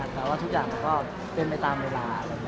แต่ว่าทุกอย่างมันก็เป็นไปตามเวลา